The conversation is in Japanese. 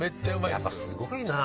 やっぱすごいな。